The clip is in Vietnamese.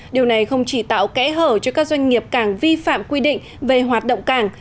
điều này không chỉ tạo kẽ hở cho các doanh nghiệp cảng vi phạm quy định về hoạt động cảng